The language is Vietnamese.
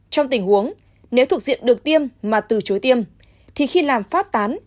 trong tình huống nếu thuộc diện được tiêm mà từ chối tiêm thì khi làm phát tán